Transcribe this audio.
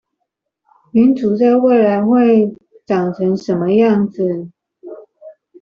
民主在未來會長成什麼樣子？